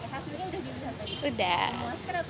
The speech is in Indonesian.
hasilnya udah gimana tadi